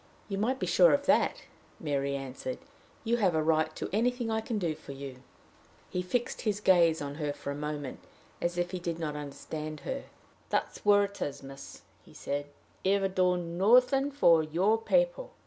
"You might be sure of that," Mary answered. "You have a right to anything I can do for you." He fixed his gaze on her for a moment, as if he did not understand her. "That's where it is," he said: "I've done nothing for your people.